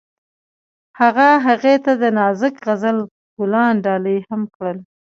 هغه هغې ته د نازک غزل ګلان ډالۍ هم کړل.